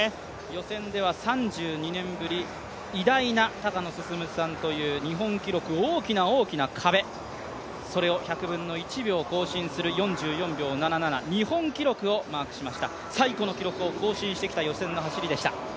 予選では３２年ぶり偉大な高野進さんという日本記録、大きな大きな壁それを１００分の１秒更新する４４秒７７、日本記録をマークしました、最古の記録を更新してきた走りでした。